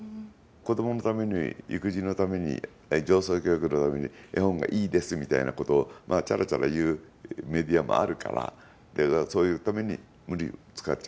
子どものために育児のために情操教育のために絵本がいいですみたいなことをチャラチャラ言うメディアもあるから無理に使っちゃってる。